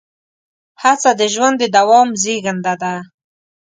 هڅه د ژوند د دوام زېږنده ده.